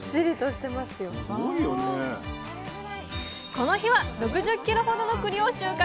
この日は６０ｋｇほどのくりを収穫。